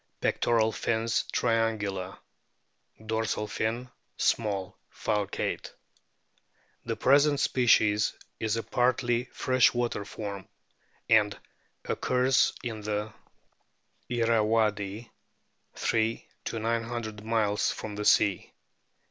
Pectoral fins triangular ; dorsal fin small, falcate. The present species is a partly fresh water form, and occurs in the Irrawaddy 3 900 miles from the sea.